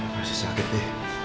masih sakit ya